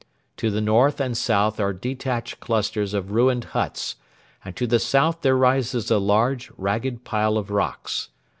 To the north and south are detached clusters of ruined huts, and to the south there rises a large, ragged pile of rocks.